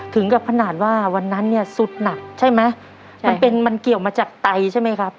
ถึงกับขนาดว่าวันนั้นเนี่ยสุดหนักใช่ไหมมันเป็นมันเกี่ยวมาจากไตใช่ไหมครับ